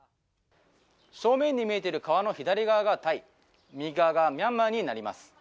正面に見えている川の左側がタイ右側がミャンマーになります。